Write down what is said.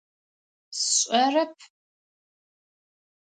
Сшӏэрэп.